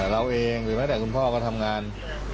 เราเองหรือแม้แต่คุณพ่อก็ทำงาน